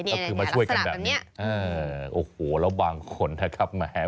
ก็คือมาช่วยกันแบบนี้